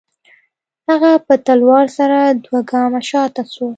هغه په تلوار سره دوه گامه شاته سوه.